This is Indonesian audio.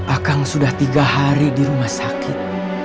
akang sudah tiga hari di rumah sakit